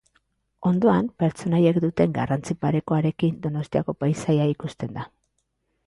Hondoan, pertsonaiek duten garrantzi parekoarekin, Donostiako paisaia ikusten da.